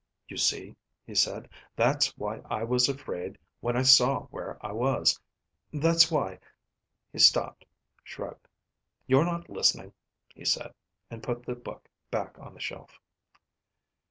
"You see?" he said. "That's why I was afraid when I saw where I was. That's why ..." He stopped, shrugged. "You're not listening," he said, and put the book back on the shelf.